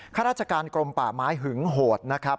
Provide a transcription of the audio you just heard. ข้าราชการกรมป่าไม้หึงโหดนะครับ